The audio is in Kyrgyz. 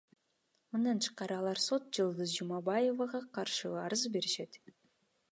Мындан тышкары алар сот Жылдыз Жумабаевага каршы арыз беришет.